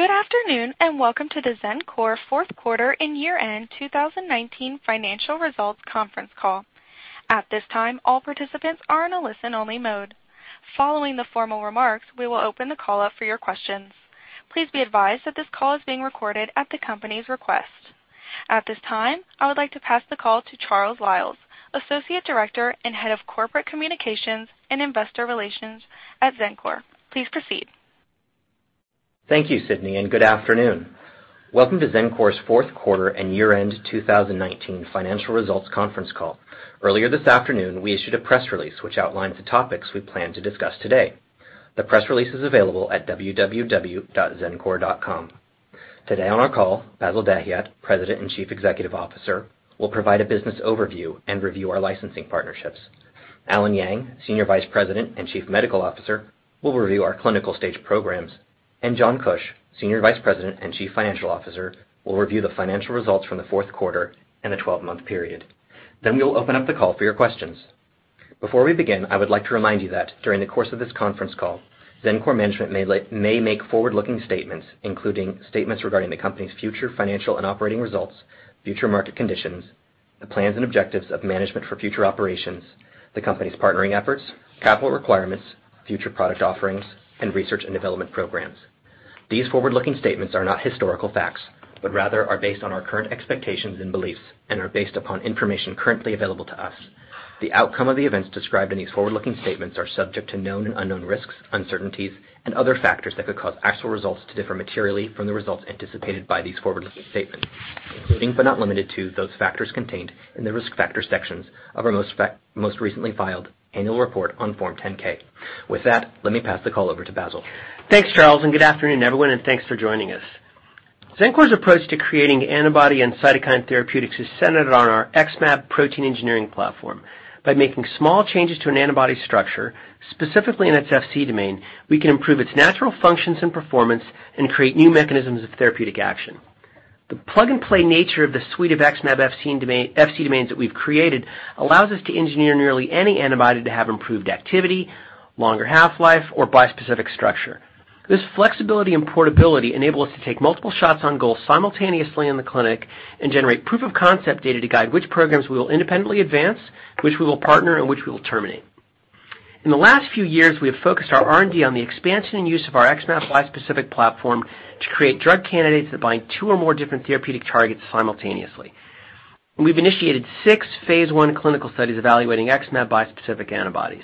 Good afternoon. Welcome to the Xencor fourth quarter and year-end 2019 financial results conference call. At this time, all participants are in a listen-only mode. Following the formal remarks, we will open the call up for your questions. Please be advised that this call is being recorded at the company's request. At this time, I would like to pass the call to Charles Liles, Associate Director and Head of Corporate Communications and Investor Relations at Xencor. Please proceed. Thank you, Sydney. Good afternoon. Welcome to Xencor's fourth quarter and year-end 2019 financial results conference call. Earlier this afternoon, we issued a press release which outlines the topics we plan to discuss today. The press release is available at www.xencor.com. Today on our call, Bassil Dahiyat, President and Chief Executive Officer, will provide a business overview and review our licensing partnerships. Allen Yang, Senior Vice President and Chief Medical Officer, will review our clinical stage programs. John Kuch, Senior Vice President and Chief Financial Officer, will review the financial results from the fourth quarter and the 12-month period. We will open up the call for your questions. Before we begin, I would like to remind you that during the course of this conference call, Xencor management may make forward-looking statements, including statements regarding the company's future financial and operating results, future market conditions, the plans and objectives of management for future operations, the company's partnering efforts, capital requirements, future product offerings, and research and development programs. These forward-looking statements are not historical facts, but rather are based on our current expectations and beliefs and are based upon information currently available to us. The outcome of the events described in these forward-looking statements are subject to known and unknown risks, uncertainties, and other factors that could cause actual results to differ materially from the results anticipated by these forward-looking statements, including but not limited to those factors contained in the Risk Factors sections of our most recently filed annual report on Form 10-K. With that, let me pass the call over to Bassil. Thanks, Charles, good afternoon, everyone, and thanks for joining us. Xencor's approach to creating antibody and cytokine therapeutics is centered on our XmAb protein engineering platform. By making small changes to an antibody structure, specifically in its Fc domain, we can improve its natural functions and performance and create new mechanisms of therapeutic action. The plug-and-play nature of the suite of XmAb Fc domains that we've created allows us to engineer nearly any antibody to have improved activity, longer half-life, or bispecific structure. This flexibility and portability enable us to take multiple shots on goal simultaneously in the clinic and generate proof of concept data to guide which programs we will independently advance, which we will partner, and which we will terminate. In the last few years, we have focused our R&D on the expansion and use of our XmAb bispecific platform to create drug candidates that bind two or more different therapeutic targets simultaneously. We've initiated six phase I clinical studies evaluating XmAb bispecific antibodies.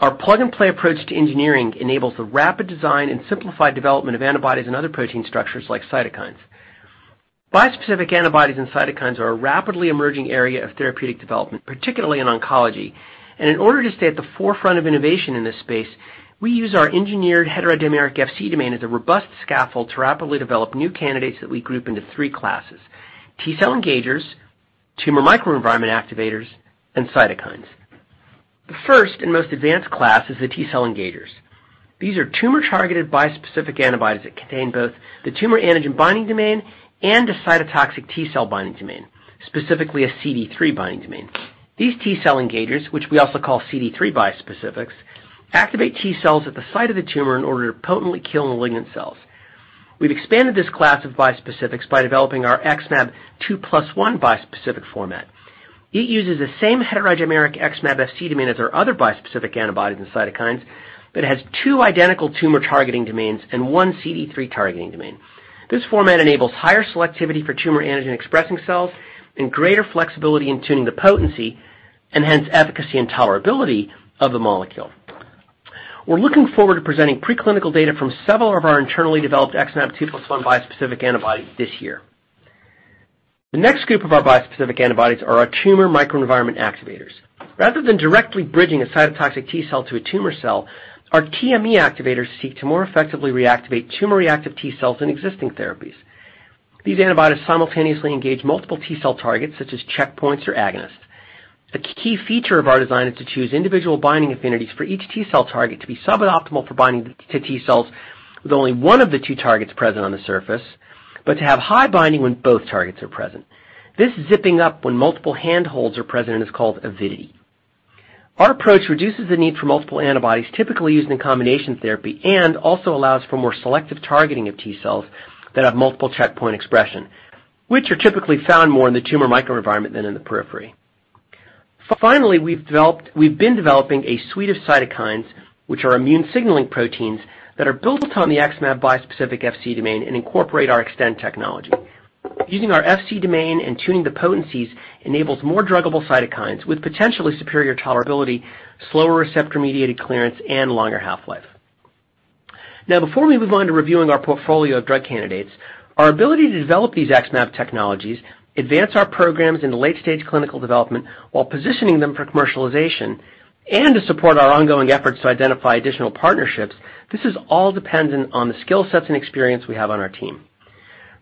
Our plug-and-play approach to engineering enables the rapid design and simplified development of antibodies and other protein structures like cytokines. Bispecific antibodies and cytokines are a rapidly emerging area of therapeutic development, particularly in oncology. In order to stay at the forefront of innovation in this space, we use our engineered heterodimeric Fc domain as a robust scaffold to rapidly develop new candidates that we group into three classes: T-cell engagers, tumor microenvironment activators, and cytokines. The first and most advanced class is the T-cell engagers. These are tumor-targeted bispecific antibodies that contain both the tumor antigen binding domain and a cytotoxic T-cell binding domain, specifically a CD3 binding domain. These T-cell engagers, which we also call CD3 bispecifics, activate T-cells at the site of the tumor in order to potently kill malignanT-cells. We've expanded this class of bispecifics by developing our XmAb 2+1 bispecific format. It uses the same heterodimeric XmAb Fc domain as our other bispecific antibodies and cytokines, but has two identical tumor targeting domains and one CD3 targeting domain. This format enables higher selectivity for tumor antigen-expressing cells and greater flexibility in tuning the potency and hence efficacy and tolerability of the molecule. We're looking forward to presenting preclinical data from several of our internally developed XmAb 2+1 bispecific antibodies this year. The next group of our bispecific antibodies are our tumor microenvironment activators. Rather than directly bridging a cytotoxic T-cell to a tumor cell, our TME activators seek to more effectively reactivate tumor-reactive T-cells in existing therapies. These antibodies simultaneously engage multiple T-cell targets, such as checkpoints or agonists. The key feature of our design is to choose individual binding affinities for each T-cell target to be suboptimal for binding to T-cells with only one of the two targets present on the surface, but to have high binding when both targets are present. This zipping up when multiple handholds are present is called avidity. Our approach reduces the need for multiple antibodies typically used in combination therapy and also allows for more selective targeting of T-cells that have multiple checkpoint expression, which are typically found more in the tumor microenvironment than in the periphery. Finally, we've been developing a suite of cytokines, which are immune signaling proteins that are built upon the XmAb bispecific Fc domain and incorporate our Xtend technology. Using our Fc domain and tuning the potencies enables more druggable cytokines with potentially superior tolerability, slower receptor-mediated clearance, and longer half-life. Before we move on to reviewing our portfolio of drug candidates, our ability to develop these XmAb technologies, advance our programs into late-stage clinical development while positioning them for commercialization, and to support our ongoing efforts to identify additional partnerships, this is all dependent on the skill sets and experience we have on our team.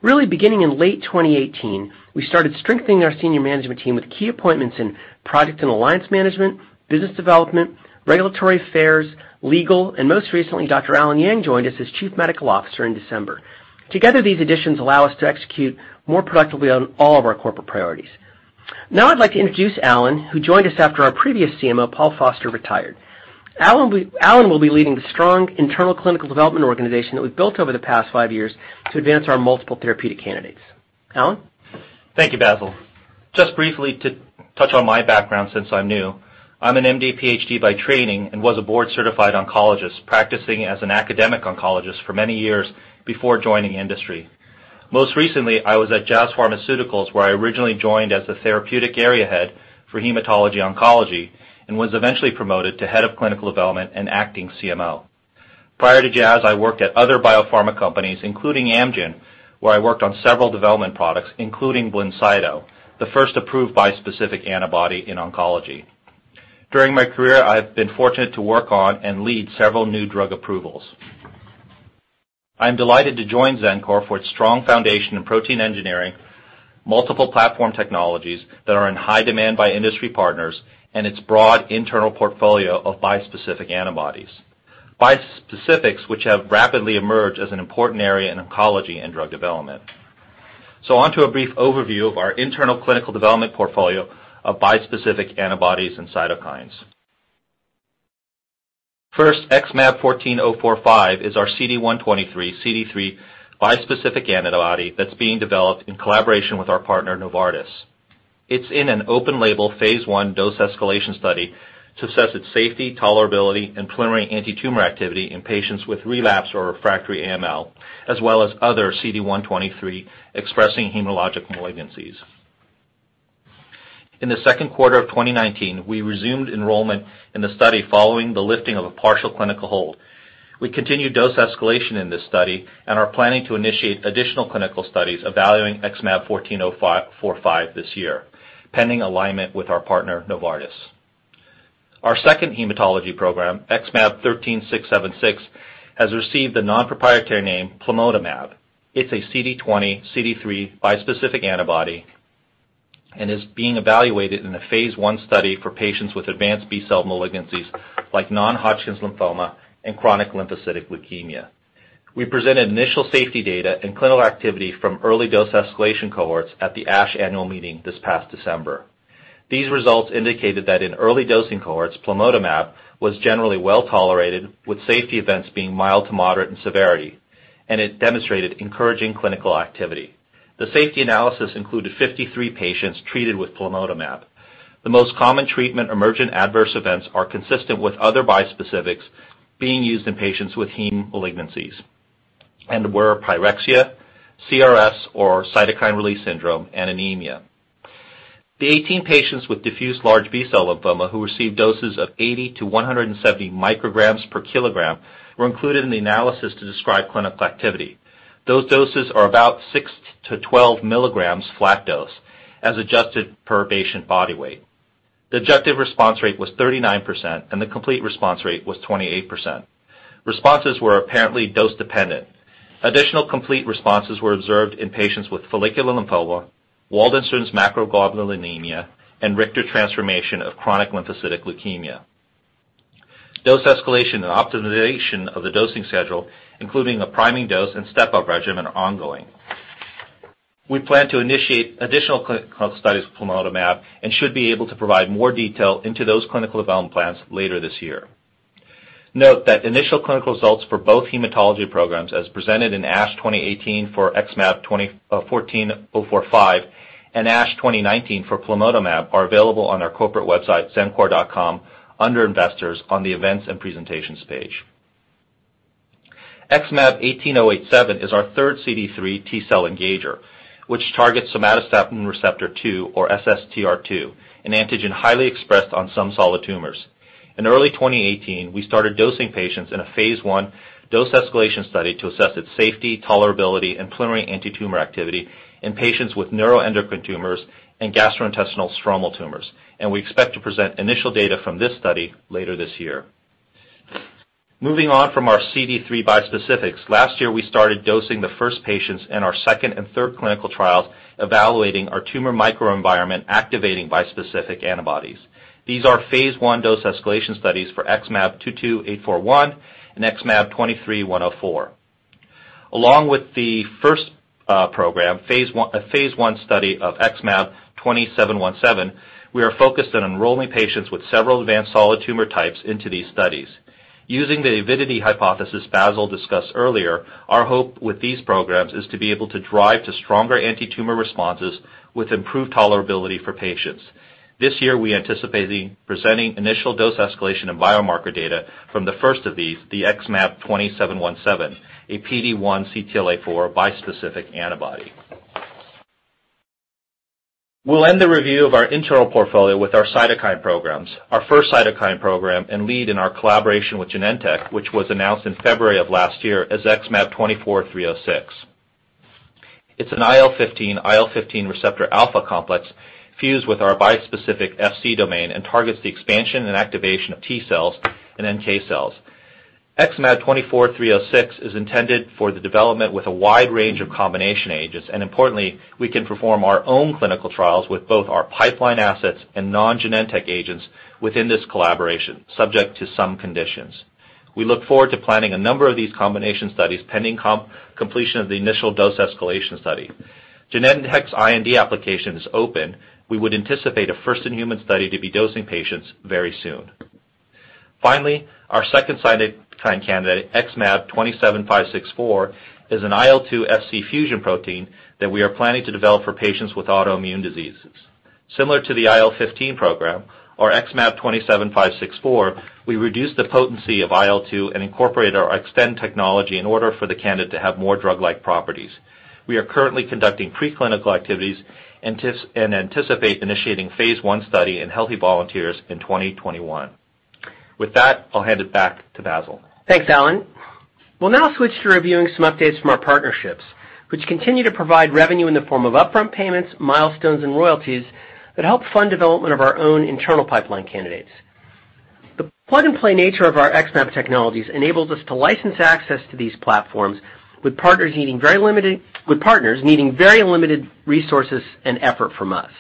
Really beginning in late 2018, we started strengthening our senior management team with key appointments in product and alliance management, business development, regulatory affairs, legal, and most recently, Dr. Allen Yang joined us as Chief Medical Officer in December. Together, these additions allow us to execute more productively on all of our corporate priorities. I'd like to introduce Allen, who joined us after our previous CMO, Paul Foster, retired. Allen will be leading the strong internal clinical development organization that we've built over the past five years to advance our multiple therapeutic candidates. Allen? Thank you, Bassil. Just briefly to touch on my background since I'm new, I'm an M.D., Ph.D. by training and was a board-certified oncologist practicing as an academic oncologist for many years before joining industry. Most recently, I was at Jazz Pharmaceuticals, where I originally joined as the Therapeutic Area Head for Hematology-Oncology and was eventually promoted to Head of Clinical Development and Acting CMO. Prior to Jazz, I worked at other biopharma companies, including Amgen, where I worked on several development products, including BLINCYTO, the first approved bispecific antibody in oncology. During my career, I've been fortunate to work on and lead several new drug approvals. I'm delighted to join Xencor for its strong foundation in protein engineering, multiple platform technologies that are in high demand by industry partners, and its broad internal portfolio of bispecific antibodies. Bispecifics, which have rapidly emerged as an important area in oncology and drug development. Onto a brief overview of our internal clinical development portfolio of bispecific antibodies and cytokines. First, XmAb14045 is our CD123 x CD3 bispecific antibody that's being developed in collaboration with our partner, Novartis. It's in an open-label phase I dose-escalation study to assess its safety, tolerability, and preliminary antitumor activity in patients with relapsed or refractory AML, as well as other CD123-expressing hematologic malignancies. In the second quarter of 2019, we resumed enrollment in the study following the lifting of a partial clinical hold. We continued dose escalation in this study and are planning to initiate additional clinical studies evaluating XmAb14045 this year, pending alignment with our partner, Novartis. Our second hematology program, XmAb13676, has received the non-proprietary name plamotamab. It's a CD20 x CD3 bispecific antibody and is being evaluated in a phase I study for patients with advanced B-cell malignancies like non-Hodgkin's lymphoma and chronic lymphocytic leukemia. We presented initial safety data and clinical activity from early dose escalation cohorts at the ASH annual meeting this past December. These results indicated that in early dosing cohorts, plamotamab was generally well-tolerated, with safety events being mild to moderate in severity, and it demonstrated encouraging clinical activity. The safety analysis included 53 patients treated with plamotamab. The most common treatment-emergent adverse events are consistent with other bispecifics being used in patients with hema malignancies and were pyrexia, CRS, or cytokine release syndrome, and anemia. The 18 patients with diffuse large B-cell lymphoma who received doses of 80-170 mcg/kg were included in the analysis to describe clinical activity. Those doses are about 6-12 milligrams flat dose as adjusted per patient body weight. The objective response rate was 39%, and the complete response rate was 28%. Responses were apparently dose-dependent. Additional complete responses were observed in patients with follicular lymphoma, Waldenstrom's macroglobulinemia, and Richter transformation of chronic lymphocytic leukemia. Dose escalation and optimization of the dosing schedule, including a priming dose and step-up regimen, are ongoing. We plan to initiate additional clinical studies with plamotamab and should be able to provide more detail into those clinical development plans later this year. Note that initial clinical results for both hematology programs, as presented in ASH 2018 for XmAb14045 and ASH 2019 for plamotamab, are available on our corporate website, xencor.com, under Investors on the Events and Presentations page. XmAb18087 is our third CD3 T-cell engager, which targets somatostatin receptor 2, or SSTR2, an antigen highly expressed on some solid tumors. In early 2018, we started dosing patients in a phase I dose-escalation study to assess its safety, tolerability, and preliminary antitumor activity in patients with neuroendocrine tumors and gastrointestinal stromal tumors, and we expect to present initial data from this study later this year. Moving on from our CD3 bispecifics, last year, we started dosing the first patients in our second and third clinical trials evaluating our tumor microenvironment-activating bispecific antibodies. These are phase I dose-escalation studies for XmAb22841 and XmAb23104. Along with the first program, a phase I study of XmAb20717, we are focused on enrolling patients with several advanced solid tumor types into these studies. Using the avidity hypothesis Bassil discussed earlier, our hope with these programs is to be able to drive to stronger antitumor responses with improved tolerability for patients. This year, we anticipate presenting initial dose escalation and biomarker data from the first of these, the XmAb20717, a PD-1 x CTLA-4 bispecific antibody. We'll end the review of our internal portfolio with our cytokine programs, our first cytokine program, and lead in our collaboration with Genentech, which was announced in February of last year as XmAb24306. It's an IL-15/IL-15 receptor alpha complex fused with our bispecific Fc domain and targets the expansion and activation of T-cells and NK cells. XmAb24306 is intended for the development with a wide range of combination agents. Importantly, we can perform our own clinical trials with both our pipeline assets and non-Genentech agents within this collaboration, subject to some conditions. We look forward to planning a number of these combination studies pending completion of the initial dose escalation study. Genentech's IND application is open. We would anticipate a first-in-human study to be dosing patients very soon. Our second cytokine candidate, XmAb27564, is an IL-2 Fc fusion protein that we are planning to develop for patients with autoimmune diseases. Similar to the IL-15 program, our XmAb27564, we reduced the potency of IL-2 and incorporated our Xtend technology in order for the candidate to have more drug-like properties. We are currently conducting preclinical activities and anticipate initiating phase I study in healthy volunteers in 2021. With that, I'll hand it back to Bassil. Thanks, Allen. We'll now switch to reviewing some updates from our partnerships, which continue to provide revenue in the form of upfront payments, milestones, and royalties that help fund development of our own internal pipeline candidates. The plug-and-play nature of our XmAb technologies enables us to license access to these platforms with partners needing very limited resources and effort from us.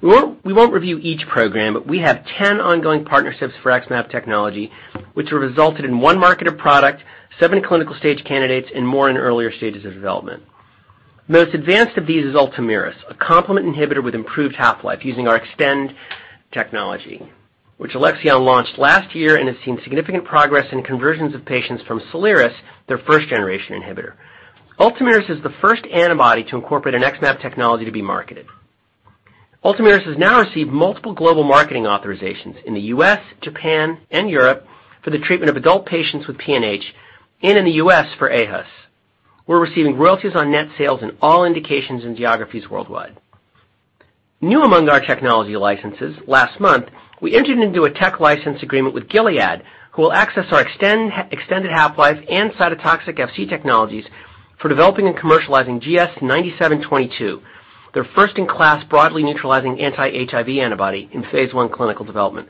We won't review each program, we have 10 ongoing partnerships for XmAb technology, which have resulted in one marketed product, seven clinical-stage candidates, and more in earlier stages of development. The most advanced of these is Ultomiris, a complement inhibitor with improved half-life using our Xtend technology, which Alexion launched last year and has seen significant progress in conversions of patients from Soliris, their first-generation inhibitor. Ultomiris is the first antibody to incorporate an XmAb technology to be marketed. Ultomiris has now received multiple global marketing authorizations in the U.S., Japan, and Europe for the treatment of adult patients with PNH and in the U.S. for aHUS. We're receiving royalties on net sales in all indications and geographies worldwide. New among our technology licenses, last month, we entered into a tech license agreement with Gilead, who will access our extended half-life and cytotoxic Fc technologies for developing and commercializing GS-9722, their first-in-class broadly neutralizing anti-HIV antibody in phase I clinical development,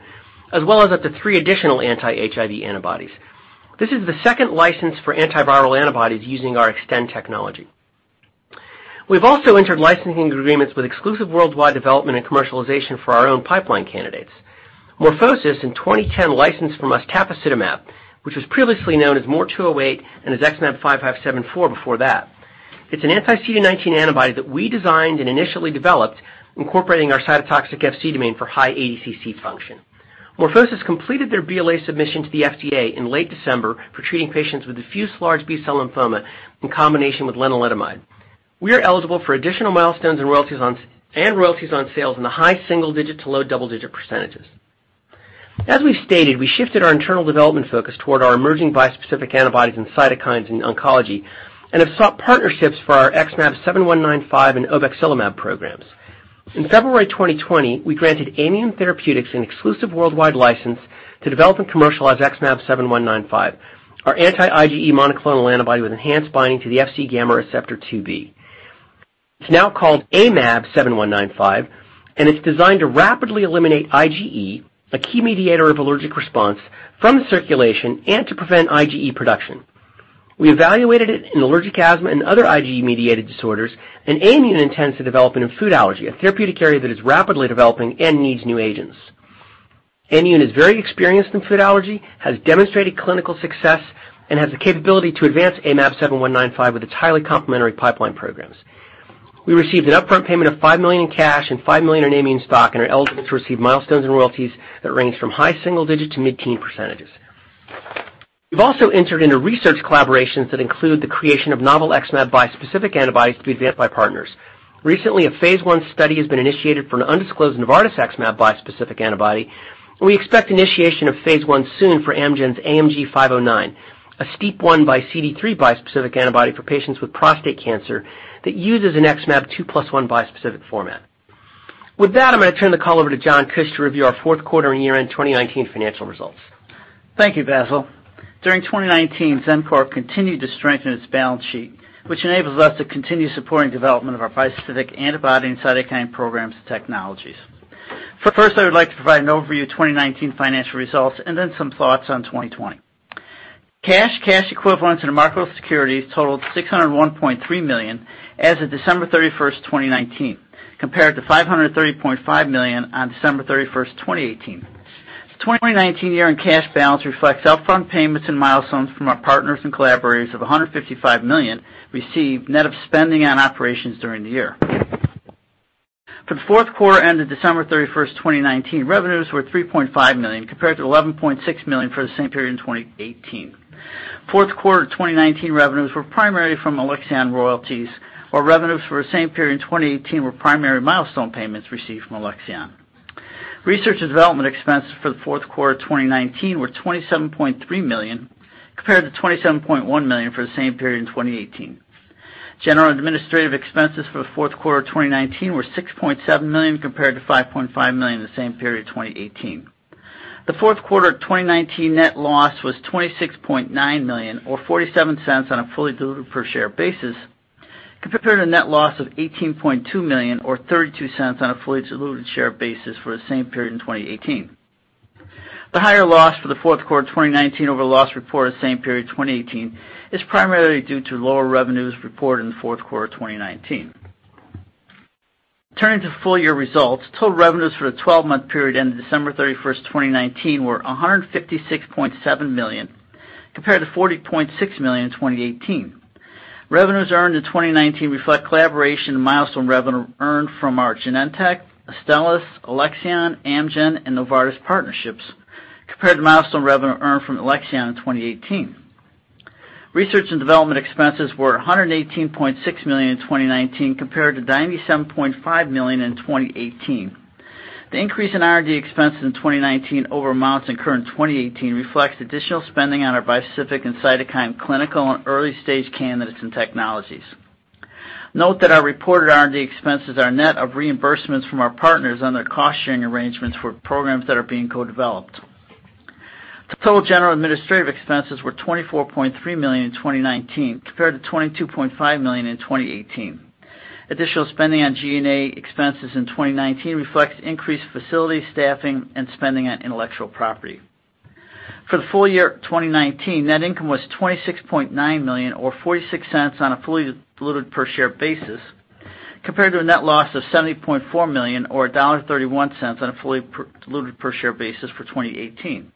as well as up to three additional anti-HIV antibodies. This is the second license for antiviral antibodies using our Xtend technology. We've also entered licensing agreements with exclusive worldwide development and commercialization for our own pipeline candidates. MorphoSys, in 2010, licensed from us tafasitamab, which was previously known as MOR208 and as XmAb5574 before that. It's an anti-CD19 antibody that we designed and initially developed, incorporating our cytotoxic Fc domain for high ADCC function. MorphoSys completed their BLA submission to the FDA in late December for treating patients with diffuse large B-cell lymphoma in combination with lenalidomide. We are eligible for additional milestones and royalties on sales in the high single-digit to low double-digit %. As we've stated, we shifted our internal development focus toward our emerging bispecific antibodies and cytokines in oncology and have sought partnerships for our XmAb7195 and obexelimab programs. In February 2020, we granted Aimmune Therapeutics an exclusive worldwide license to develop and commercialize XmAb7195, our anti-IgE monoclonal antibody with enhanced binding to the Fc gamma receptor IIb. It's now called AIMab7195, it's designed to rapidly eliminate IgE, a key mediator of allergic response, from the circulation and to prevent IgE production. We evaluated it in allergic asthma and other IgE-mediated disorders. Aimmune intends to develop it in food allergy, a therapeutic area that is rapidly developing and needs new agents. Aimmune is very experienced in food allergy, has demonstrated clinical success, and has the capability to advance AIMab7195 with its highly complementary pipeline programs. We received an upfront payment of $5 million in cash and $5 million in Aimmune stock and are eligible to receive milestones and royalties that range from high single digit to mid-teen percentages. We've also entered into research collaborations that include the creation of novel XmAb bispecific antibodies to be advanced by partners. Recently, a phase I study has been initiated for an undisclosed Novartis XmAb bispecific antibody. We expect initiation of phase I soon for Amgen's AMG 509, a STEAP1 x CD3 bispecific antibody for patients with prostate cancer that uses an XmAb 2+1 bispecific format. With that, I'm going to turn the call over to John Kuch to review our fourth quarter and year-end 2019 financial results. Thank you, Bassil. During 2019, Xencor continued to strengthen its balance sheet, which enables us to continue supporting development of our bispecific antibody and cytokine programs and technologies. First, I would like to provide an overview of 2019 financial results and then some thoughts on 2020. Cash, cash equivalents, and marketable securities totaled $601.3 million as of December 31st, 2019, compared to $530.5 million on December 31st, 2018. The 2019 year-end cash balance reflects upfront payments and milestones from our partners and collaborators of $155 million received net of spending on operations during the year. For the fourth quarter ended December 31st, 2019, revenues were $3.5 million compared to $11.6 million for the same period in 2018. Fourth quarter 2019 revenues were primarily from Alexion royalties, while revenues for the same period in 2018 were primary milestone payments received from Alexion. Research and development expenses for the fourth quarter 2019 were $27.3 million, compared to $27.1 million for the same period in 2018. General and administrative expenses for the fourth quarter 2019 were $6.7 million, compared to $5.5 million in the same period 2018. The fourth quarter 2019 net loss was $26.9 million, or $0.47 on a fully diluted per share basis, compared to net loss of $18.2 million, or $0.32 on a fully diluted share basis, for the same period in 2018. The higher loss for the fourth quarter 2019 over the loss reported same period 2018 is primarily due to lower revenues reported in the fourth quarter 2019. Turning to full-year results, total revenues for the 12-month period ending December 31st, 2019 were $156.7 million, compared to $40.6 million in 2018. Revenues earned in 2019 reflect collaboration in milestone revenue earned from our Genentech, Astellas, Alexion, Amgen, and Novartis partnerships, compared to milestone revenue earned from Alexion in 2018. Research and development expenses were $118.6 million in 2019, compared to $97.5 million in 2018. The increase in R&D expenses in 2019 over amounts incurred in 2018 reflects additional spending on our bispecific and cytokine clinical and early-stage candidates and technologies. Note that our reported R&D expenses are net of reimbursements from our partners under cost-sharing arrangements for programs that are being co-developed. Total general administrative expenses were $24.3 million in 2019, compared to $22.5 million in 2018. Additional spending on G&A expenses in 2019 reflects increased facility staffing and spending on intellectual property. For the full year of 2019, net income was $26.9 million, or $0.46 on a fully diluted per share basis, compared to a net loss of $70.4 million or $1.31 on a fully diluted per share basis for 2018.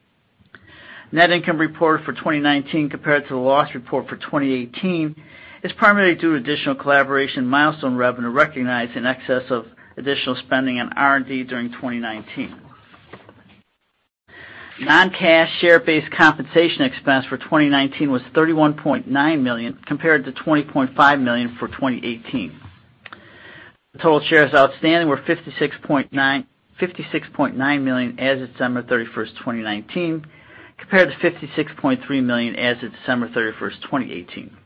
Net income reported for 2019 compared to the loss report for 2018 is primarily due to additional collaboration milestone revenue recognized in excess of additional spending on R&D during 2019. Non-cash share-based compensation expense for 2019 was $31.9 million, compared to $20.5 million for 2018. The total shares outstanding were 56.9 million as of December 31st, 2019, compared to 56.3 million as of December 31st, 2018.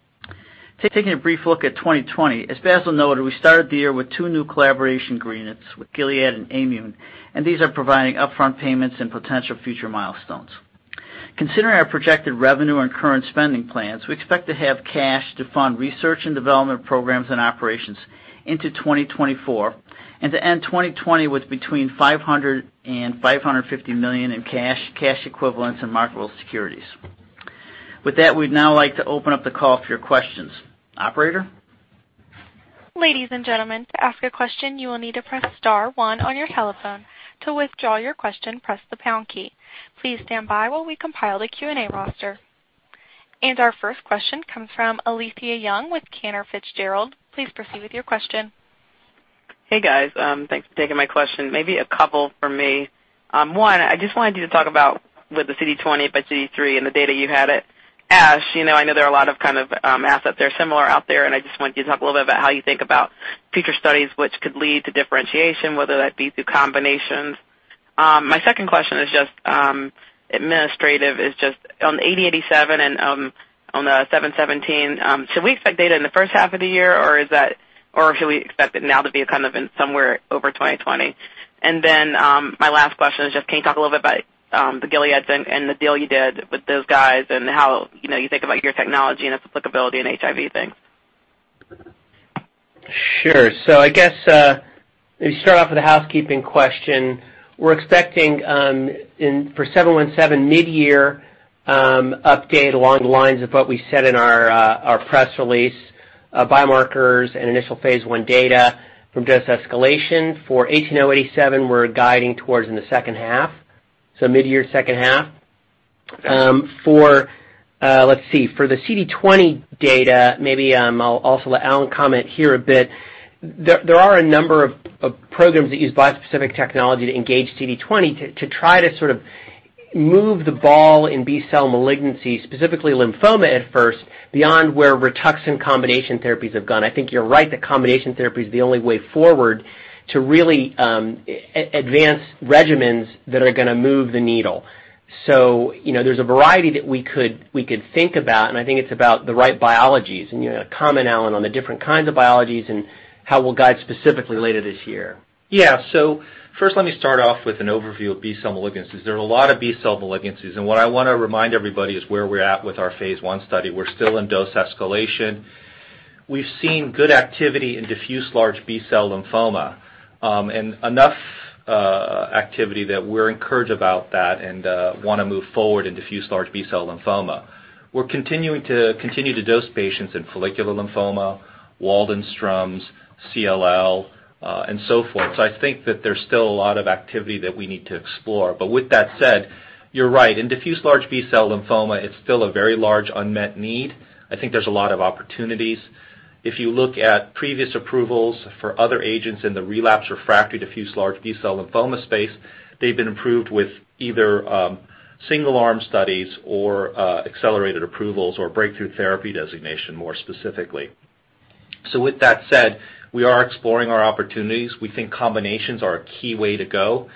Taking a brief look at 2020, as Bassil noted, we started the year with two new collaboration agreements with Gilead and Aimmune, and these are providing upfront payments and potential future milestones. Considering our projected revenue and current spending plans, we expect to have cash to fund research and development programs and operations into 2024, and to end 2020 with between $500 million and $550 million in cash equivalents, and marketable securities. With that, we'd now like to open up the call for your questions. Operator? Ladies and gentlemen, to ask a question, you will need to press star one on your telephone. To withdraw your question, press the pound key. Please stand by while we compile the Q&A roster. Our first question comes from Alethia Young with Cantor Fitzgerald. Please proceed with your question. Hey, guys. Thanks for taking my question. Maybe a couple from me. One, I just wanted you to talk about with the CD20 x CD3 and the data you had at ASH. I know there are a lot of assets that are similar out there. I just wanted you to talk a little bit about how you think about future studies which could lead to differentiation, whether that be through combinations. My second question is just administrative. On the XmAb18087 and on the XmAb20717, should we expect data in the first half of the year, or should we expect it now to be somewhere over 2020? My last question is just can you talk a little bit about the Gilead thing and the deal you did with those guys and how you think about your technology and its applicability in HIV things? Sure. I guess you start off with a housekeeping question. We're expecting for XmAb20717 mid-year update along the lines of what we said in our press release, biomarkers and initial phase I data from dose escalation. For XmAb18087, we're guiding towards in the second half, so mid-year second half. Let's see, for the CD20 data, maybe I'll also let Allen comment here a bit. There are a number of programs that use bispecific technology to engage CD20 to try to sort of move the ball in B-cell malignancy, specifically lymphoma at first, beyond where Rituxan combination therapies have gone. I think you're right that combination therapy is the only way forward to really advance regimens that are going to move the needle. There's a variety that we could think about, and I think it's about the right biologies. You comment, Allen, on the different kinds of biologies and how we'll guide specifically later this year. Yeah. First, let me start off with an overview of B-cell malignancies. There are a lot of B-cell malignancies. What I want to remind everybody is where we're at with our phase I study. We're still in dose escalation. We've seen good activity in diffuse large B-cell lymphoma, enough activity that we're encouraged about that and want to move forward in diffuse large B-cell lymphoma. We're continuing to dose patients in follicular lymphoma, Waldenstrom's, CLL, and so forth. I think that there's still a lot of activity that we need to explore. With that said, you're right. In diffuse large B-cell lymphoma, it's still a very large unmet need. I think there's a lot of opportunities. If you look at previous approvals for other agents in the relapse/refractory diffuse large B-cell lymphoma space, they've been approved with either single-arm studies or accelerated approvals or breakthrough therapy designation, more specifically. With that said, we are exploring our opportunities. We think combinations are a key way to go.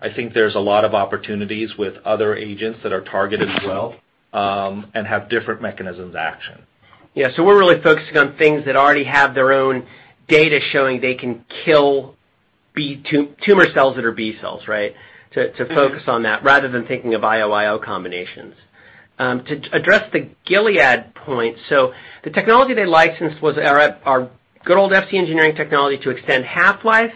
I think there's a lot of opportunities with other agents that are targeted well and have different mechanisms of action. Yeah. We're really focusing on things that already have their own data showing they can kill tumor cells that are B-cells, right? To focus on that rather than thinking of IL/IL combinations. To address the Gilead point, the technology they licensed was our good old Fc engineering technology to extend half-life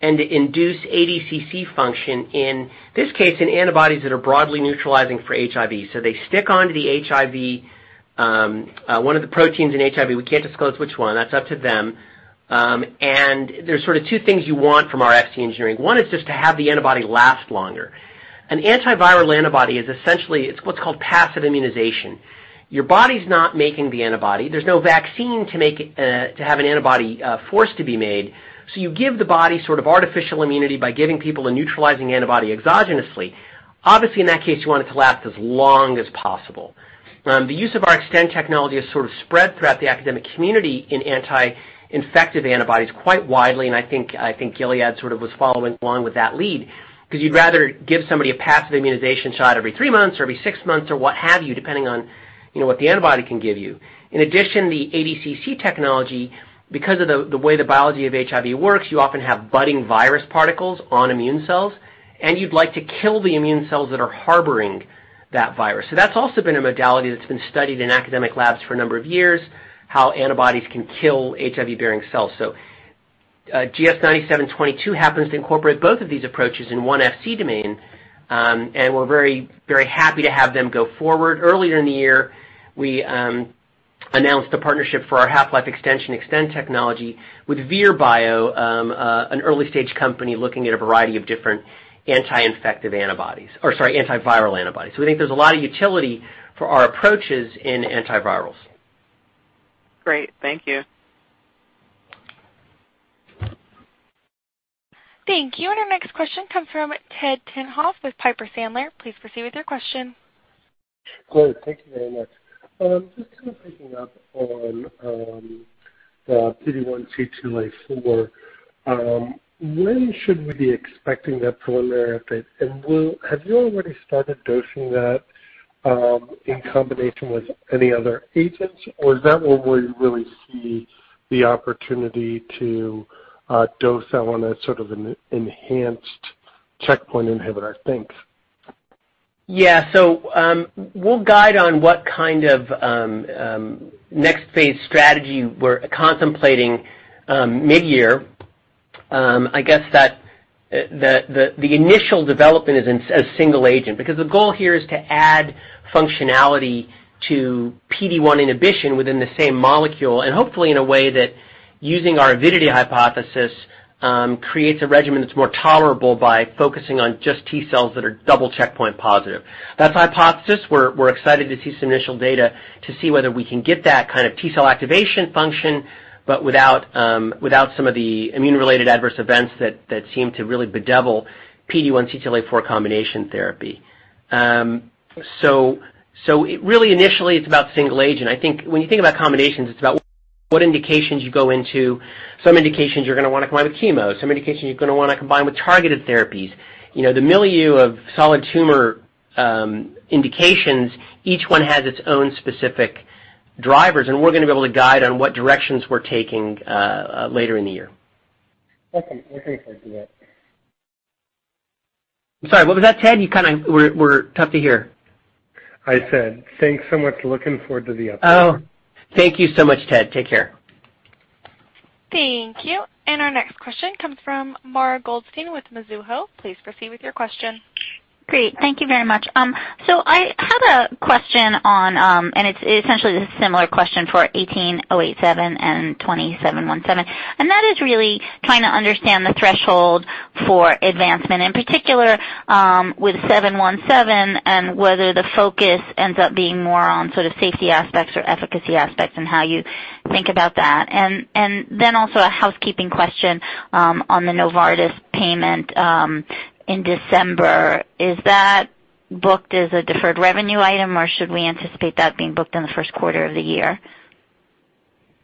and to induce ADCC function, in this case, in antibodies that are broadly neutralizing for HIV. So they stick onto the HIV. One of the proteins in HIV, we can't disclose which one, that's up to them. There's sort of two things you want from our Fc engineering. One is just to have the antibody last longer. An antiviral antibody is essentially, it's what's called passive immunization. Your body's not making the antibody. There's no vaccine to have an antibody forced to be made. You give the body sort of artificial immunity by giving people a neutralizing antibody exogenously. Obviously, in that case, you want it to last as long as possible. The use of our Xtend technology is sort of spread throughout the academic community in anti-infective antibodies quite widely, and I think Gilead sort of was following along with that lead. You'd rather give somebody a passive immunization shot every three months or every six months or what have you, depending on what the antibody can give you. In addition, the ADCC technology, because of the way the biology of HIV works, you often have budding virus particles on immune cells, and you'd like to kill the immune cells that are harboring that virus. That's also been a modality that's been studied in academic labs for a number of years, how antibodies can kill HIV-bearing cells. GS-9722 happens to incorporate both of these approaches in one Fc domain, and we're very happy to have them go forward. Earlier in the year, we announced a partnership for our half-life extension Xtend technology with Vir Bio, an early-stage company looking at a variety of different anti-infective antibodies. Sorry, antiviral antibodies. We think there's a lot of utility for our approaches in antivirals. Great. Thank you. Thank you. Our next question comes from Ted Tenthoff with Piper Sandler. Please proceed with your question. Great. Thank you very much. Just kind of picking up on the PD-1 CTLA-4. When should we be expecting that preliminary update, and have you already started dosing that in combination with any other agents, or is that where we really see the opportunity to dose that one as sort of an enhanced checkpoint inhibitor, thanks. Yeah. We'll guide on what kind of next phase strategy we're contemplating mid-year. I guess that the initial development is as single agent, because the goal here is to add functionality to PD-1 inhibition within the same molecule, and hopefully in a way that using our avidity hypothesis creates a regimen that's more tolerable by focusing on just T-cells that are double checkpoint positive. That's hypothesis. We're excited to see some initial data to see whether we can get that kind of T-cell activation function, but without some of the immune-related adverse events that seem to really bedevil PD-1 CTLA-4 combination therapy. Really initially, it's about single agent. I think when you think about combinations, it's about what indications you go into. Some indications you're going to want to combine with chemo. Some indications you're going to want to combine with targeted therapies. The milieu of solid tumor indications, each one has its own specific drivers, and we're going to be able to guide on what directions we're taking later in the year. Okay. I think I see that. I'm sorry, what was that, Ted? You kind of were tough to hear. I said thanks so much. Looking forward to the update. Oh, thank you so much, Ted. Take care. Thank you. Our next question comes from Mara Goldstein with Mizuho. Please proceed with your question. Great. Thank you very much. I had a question on, and it's essentially a similar question for XmAb18087 and XmAb20717, and that is really trying to understand the threshold for advancement, in particular with XmAb20717, and whether the focus ends up being more on sort of safety aspects or efficacy aspects and how you think about that. Also a housekeeping question on the Novartis payment in December. Is that booked as a deferred revenue item, or should we anticipate that being booked in the first quarter of the year?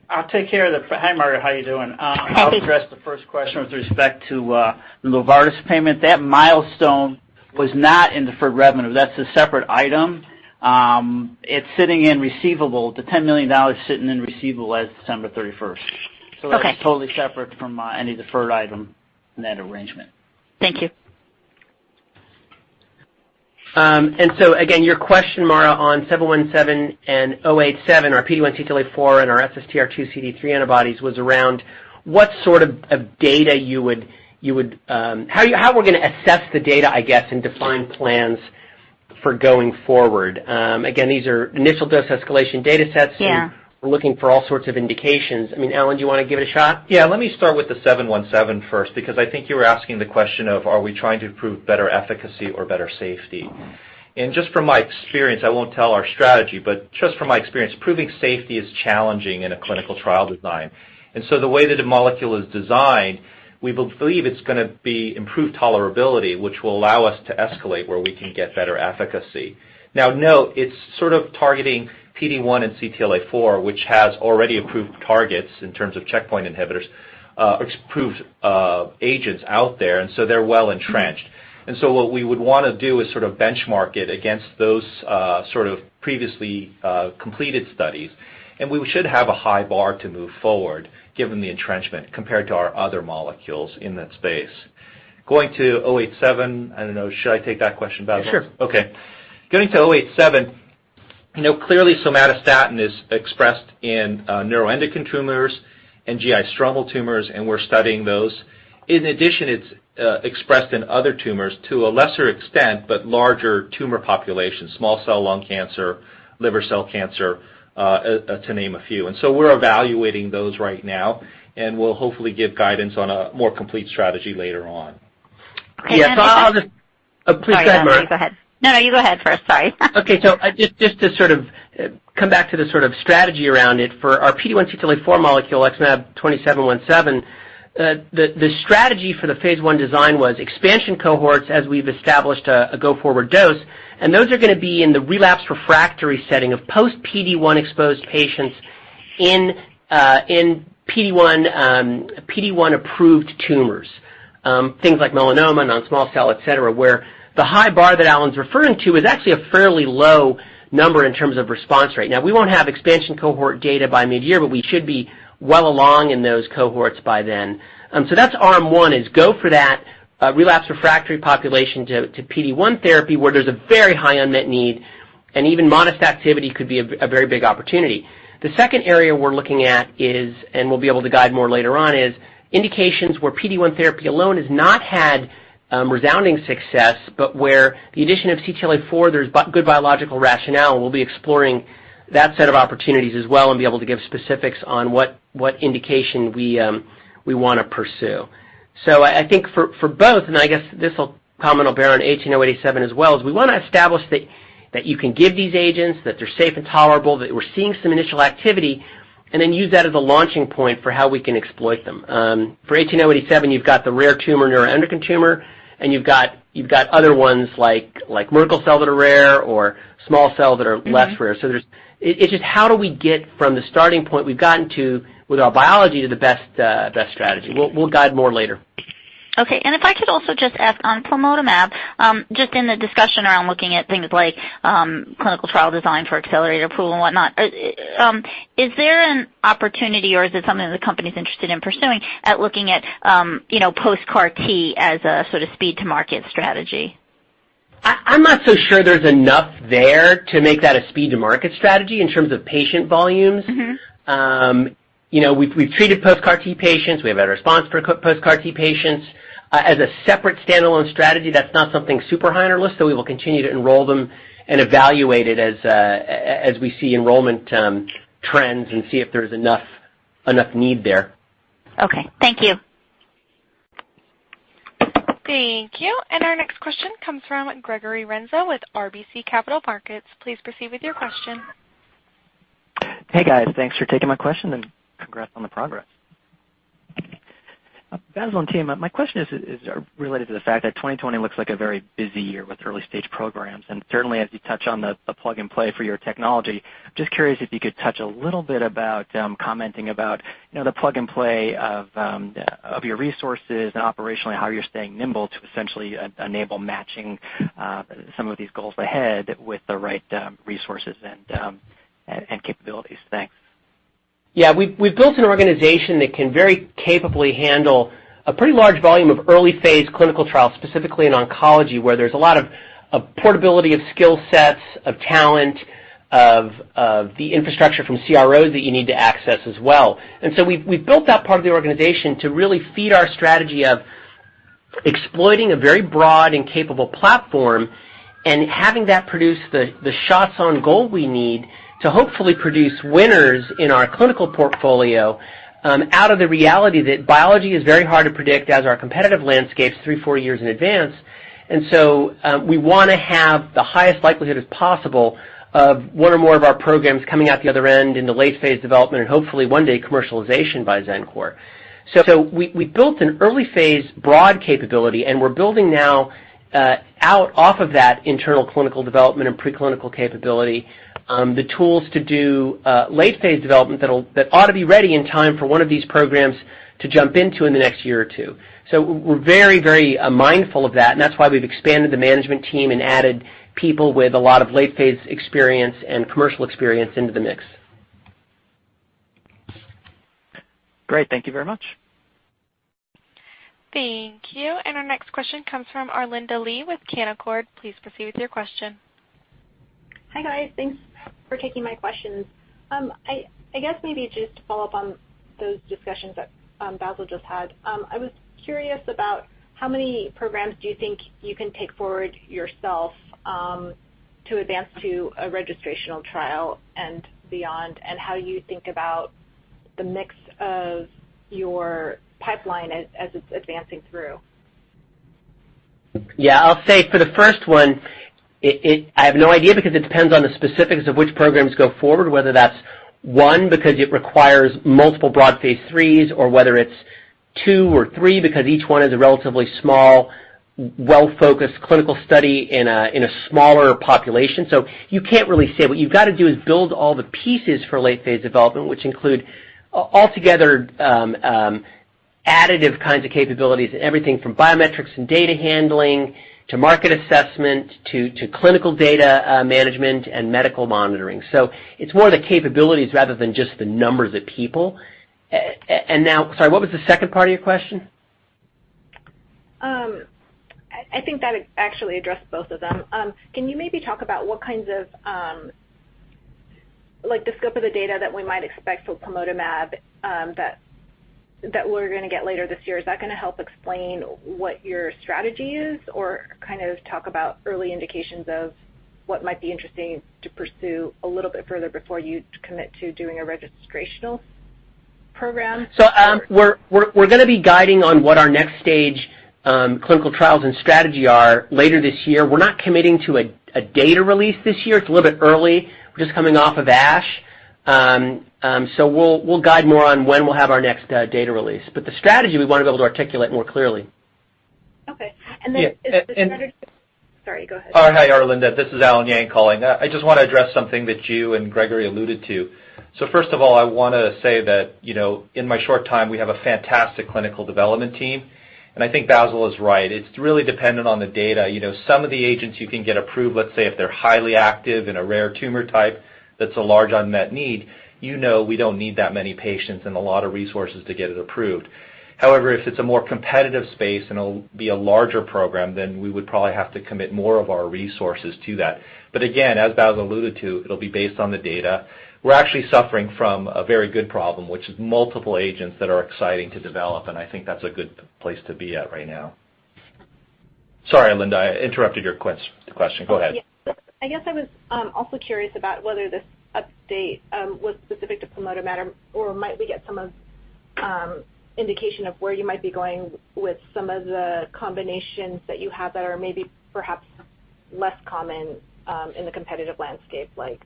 Hi, Mara. How you doing? Hi. I'll address the first question with respect to the Novartis payment. That milestone was not in deferred revenue. That's a separate item. It's sitting in receivable. The $10 million sitting in receivable as December 31st. Okay. That's totally separate from any deferred item in that arrangement. Thank you. Again, your question, Mara, on XmAb20717 and XmAb18087, our PD-1 x CTLA-4 and our SSTR2 x CD3 antibodies, was around how we're going to assess the data, I guess, and define plans for going forward. Again, these are initial dose escalation data sets. Yeah. We're looking for all sorts of indications. I mean, Allen, do you want to give it a shot? Yeah. Let me start with the XmAb20717 first, because I think you were asking the question of, are we trying to improve better efficacy or better safety? Just from my experience, I won't tell our strategy, but just from my experience, proving safety is challenging in a clinical trial design. The way that a molecule is designed, we believe it's going to be improved tolerability, which will allow us to escalate where we can get better efficacy. Now, note, it's sort of targeting PD-1 and CTLA-4, which has already approved targets in terms of checkpoint inhibitors, approved agents out there, they're well entrenched. What we would want to do is sort of benchmark it against those sort of previously completed studies, and we should have a high bar to move forward given the entrenchment compared to our other molecules in that space. Going to XmAb18087, I don't know, should I take that question, Bassil? Sure. Okay. Going to XmAb18087, clearly somatostatin is expressed in neuroendocrine tumors and GI stromal tumors, we're studying those. In addition, it's expressed in other tumors to a lesser extent, but larger tumor population, small cell lung cancer, liver cell cancer, to name a few. We're evaluating those right now, and we'll hopefully give guidance on a more complete strategy later on. Okay. Yeah. Please go ahead, Mara. Sorry. No, you go ahead first. Sorry. Okay. Just to sort of come back to the sort of strategy around it for our PD-1 CTLA-4 molecule, XmAb20717, the strategy for the phase I design was expansion cohorts as we've established a go-forward dose, and those are going to be in the relapsed refractory setting of post-PD-1 exposed patients in PD-1 approved tumors. Things like melanoma, non-small cell, et cetera, where the high bar that Allen's referring to is actually a fairly low number in terms of response rate. We won't have expansion cohort data by midyear, but we should be well along in those cohorts by then. That's arm one, is go for that, relapsed refractory population to PD-1 therapy, where there's a very high unmet need, and even modest activity could be a very big opportunity. The second area we're looking at is, and we'll be able to guide more later on, is indications where PD-1 therapy alone has not had resounding success, but where the addition of CTLA-4 there's good biological rationale, and we'll be exploring that set of opportunities as well and be able to give specifics on what indication we want to pursue. I think for both, and I guess this comment will bear on XmAb18087 as well, is we want to establish that you can give these agents, that they're safe and tolerable, that we're seeing some initial activity, and then use that as a launching point for how we can exploit them. For XmAb18087, you've got the rare tumor, neuroendocrine tumor, and you've got other ones like Merkel cell that are rare or small cell that are less rare. It's just how do we get from the starting point we've gotten to with our biology to the best strategy. We'll guide more later. Okay. If I could also just ask on plamotamab, just in the discussion around looking at things like clinical trial design for accelerated approval and whatnot, is there an opportunity or is it something that the company's interested in pursuing at looking at post-CAR T as a sort of speed to market strategy? I'm not so sure there's enough there to make that a speed to market strategy in terms of patient volumes. We've treated post-CAR T patients. We have had a response for post-CAR T patients. We will continue to enroll them and evaluate it as we see enrollment trends and see if there's enough need there. Okay. Thank you. Thank you. Our next question comes from Gregory Renza with RBC Capital Markets. Please proceed with your question. Hey, guys. Thanks for taking my question, and congrats on the progress. Bassil and team, my question is related to the fact that 2020 looks like a very busy year with early-stage programs, and certainly as you touch on the plug and play for your technology, just curious if you could touch a little bit about commenting about the plug and play of your resources and operationally how you're staying nimble to essentially enable matching some of these goals ahead with the right resources and capabilities. Thanks. Yeah. We've built an organization that can very capably handle a pretty large volume of early-phase clinical trials, specifically in oncology, where there's a lot of portability of skill sets, of talent, of the infrastructure from CROs that you need to access as well. We've built that part of the organization to really feed our strategy of exploiting a very broad and capable platform and having that produce the shots on goal we need to hopefully produce winners in our clinical portfolio out of the reality that biology is very hard to predict as our competitive landscape's three, four years in advance. We want to have the highest likelihood as possible of one or more of our programs coming out the other end in the late-phase development and hopefully one day commercialization by Xencor. We built an early-phase broad capability, and we're building now out off of that internal clinical development and preclinical capability the tools to do late-phase development that ought to be ready in time for one of these programs to jump into in the next year or two. We're very mindful of that, and that's why we've expanded the management team and added people with a lot of late-phase experience and commercial experience into the mix. Great. Thank you very much. Thank you. Our next question comes from Arlinda Lee with Canaccord. Please proceed with your question. Hi, guys. Thanks for taking my questions. I guess maybe just to follow up on those discussions that Bassil just had, I was curious about how many programs do you think you can take forward yourself to advance to a registrational trial and beyond, and how you think about the mix of your pipeline as it's advancing through? Yeah. I'll say for the first one, I have no idea because it depends on the specifics of which programs go forward, whether that's one because it requires multiple broad phase III or whether it's two or three because each one is a relatively small, well-focused clinical study in a smaller population. You can't really say. What you've got to do is build all the pieces for late-phase development, which include altogether additive kinds of capabilities and everything from biometrics and data handling to market assessment to clinical data management and medical monitoring. It's more the capabilities rather than just the numbers of people. Now, sorry, what was the second part of your question? I think that actually addressed both of them. Can you maybe talk about? Like the scope of the data that we might expect for plamotamab that we're going to get later this year, is that going to help explain what your strategy is? Or talk about early indications of what might be interesting to pursue a little bit further before you commit to doing a registrational program? We're going to be guiding on what our next stage clinical trials and strategy are later this year. We're not committing to a data release this year. It's a little bit early. We're just coming off of ASH. We'll guide more on when we'll have our next data release. The strategy we want to be able to articulate more clearly. Okay. Yeah. Sorry, go ahead. Hi, Arlinda. This is Allen Yang calling. I just want to address something that you and Gregory alluded to. First of all, I want to say that, in my short time, we have a fantastic clinical development team, and I think Bassil is right. It's really dependent on the data. Some of the agents you can get approved, let's say if they're highly active in a rare tumor type, that's a large unmet need. You know we don't need that many patients and a lot of resources to get it approved. However, if it's a more competitive space and it'll be a larger program, then we would probably have to commit more of our resources to that. Again, as Bassil alluded to, it'll be based on the data. We're actually suffering from a very good problem, which is multiple agents that are exciting to develop. I think that's a good place to be at right now. Sorry, Arlinda, I interrupted your question. Go ahead. Yeah. I guess I was also curious about whether this update was specific to plamotamab or might we get some indication of where you might be going with some of the combinations that you have that are maybe perhaps less common in the competitive landscape, like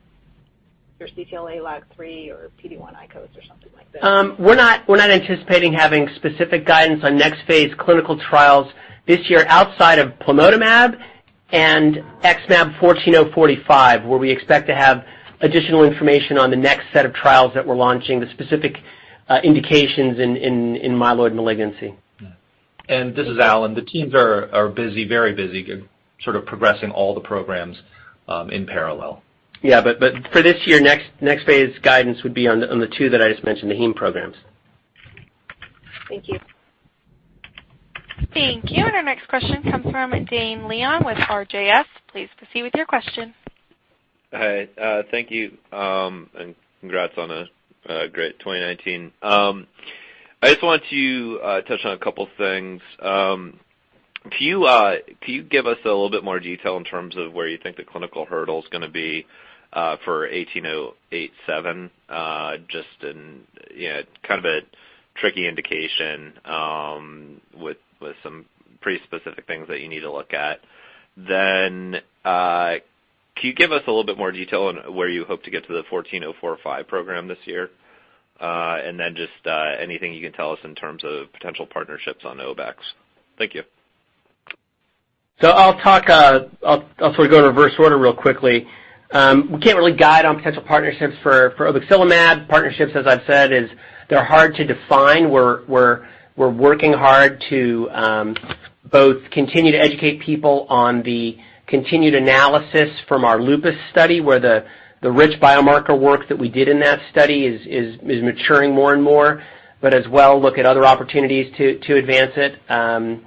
your CTLA-4, LAG-3 or PD-L1/ICOS or something like this? We're not anticipating having specific guidance on next phase clinical trials this year outside of plamotamab and XmAb14045, where we expect to have additional information on the next set of trials that we're launching, the specific indications in myeloid malignancy. This is Allen. The teams are very busy, sort of progressing all the programs in parallel. Yeah, for this year, next phase guidance would be on the two that I just mentioned, the Heme programs. Thank you. Thank you. Our next question comes from Dane Leone with Raymond James & Associates. Please proceed with your question. Hi. Thank you, and congrats on a great 2019. I just want to touch on a couple things. Can you give us a little bit more detail in terms of where you think the clinical hurdle is going to be for XmAb18087? Just in kind of a tricky indication with some pretty specific things that you need to look at. Can you give us a little bit more detail on where you hope to get to the XmAb14045 program this year? Just anything you can tell us in terms of potential partnerships on Obex. Thank you. I'll sort of go in reverse order real quickly. We can't really guide on potential partnerships for obexelimab. Partnerships, as I've said, they're hard to define. We're working hard to both continue to educate people on the continued analysis from our lupus study, where the rich biomarker work that we did in that study is maturing more and more, but as well look at other opportunities to advance it